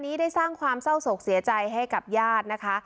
นี้ได้สร้างความเศร้าศกเสียใจให้กับญาตินะคะ